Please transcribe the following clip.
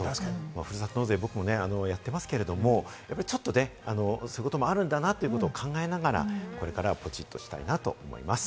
ふるさと納税、僕もやっていますけれども、ちょっとそういうこともあるんだなということを考えながら、これからはポチっとしたいなと思います。